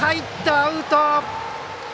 アウト！